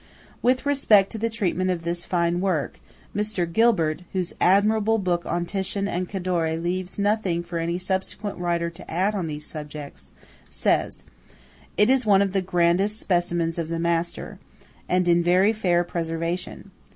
With respect to the treatment of this fine work, Mr. Gilbert, whose admirable book on Titian and Cadore leaves nothing for any subsequent writer to add on these subjects, says:–"It is one of the grandest specimens of the master, and in very fair preservation.